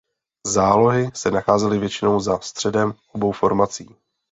Zálohy se nacházely většinou za středem obou formací.